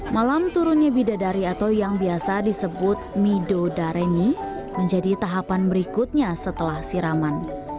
malam turunnya bidadari atau yang biasa disebut midodareni menjadi tahapan berikutnya setelah siraman